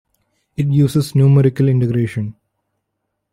It uses numerical integration.